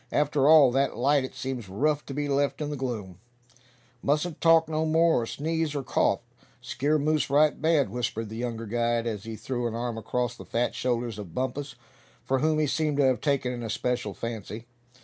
After all that light it seems rough to be left in the gloom." "Mustn't talk no more, or sneeze, or cough! Skeer moose right bad," whispered the younger guide, as he threw an arm across the fat shoulders of Bumpus, for whom he seemed to have taken an especial fancy.